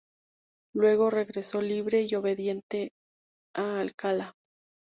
Luego regresó libre y obediente a Alcalá.